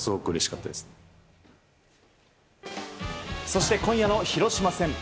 そして今夜の広島戦。